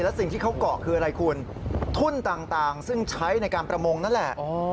และสิ่งที่เขาเกาะคืออะไรคุณทุ่นต่างซึ่งใช้ในการประมงนั่นแหละ